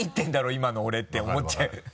今の俺」って思っちゃう。